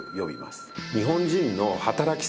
日本人の働き